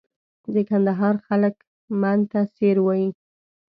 د کندهار خلک من ته سېر وایي.